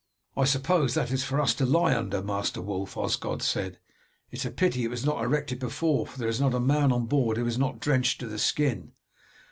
"I suppose that is for us to lie under, Master Wulf?" Osgod said. "It is a pity it was not erected before, for there is not a man on board who is not drenched to the skin."